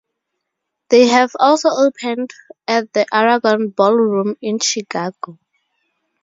They have also opened at the Aragon Ballroom in Chicago.